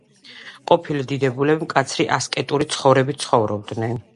ყოფილი დიდებულები მკაცრი ასკეტური ცხოვრებით ცხოვრობდნენ.